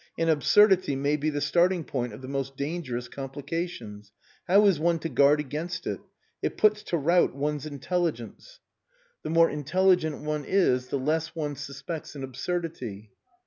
An absurdity may be the starting point of the most dangerous complications. How is one to guard against it? It puts to rout one's intelligence. The more intelligent one is the less one suspects an absurdity."